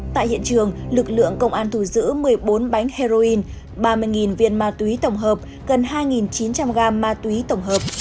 tại hiện trường lực lượng công an thù giữ một mươi bốn bánh heroin ba mươi viên ma túy tổng hợp gần hai chín trăm linh g ma túy tổng hợp